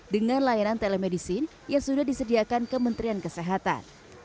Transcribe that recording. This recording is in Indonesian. dengan layanan telemedicine yang sudah disediakan kementerian kesehatan